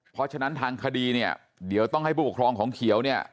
เพราะฉะนั้นทางคดีเนี่ยเดี๋ยวต้องให้ผู้ปกครองของเขียวเนี่ย